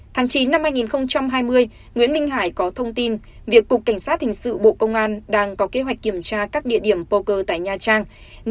tháng chín năm hai nghìn hai mươi nguyễn minh hải có thông tin việc cục cảnh sát hình sự bộ công an đang có kế hoạch kiểm tra các địa điểm poker tại nha trang